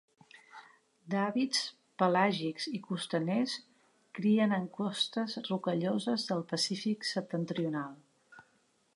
D'hàbits pelàgics i costaners, crien en costes rocalloses del Pacífic Septentrional.